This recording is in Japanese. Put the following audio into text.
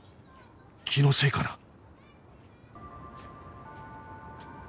気のせいかな？